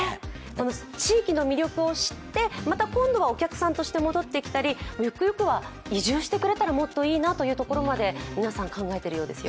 地域の魅力を知って、今度はお客さんとして戻ってきたりゆくゆくは移住してくれたらもっといいなというところまで皆さん、考えているようですよ。